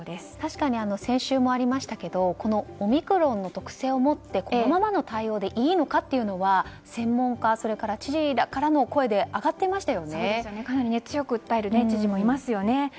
確かに先週もありましたけどオミクロンの特性をもってこのままの対応でいいのかというのは専門家、それから知事らからのかなり強く訴える知事もいますよね。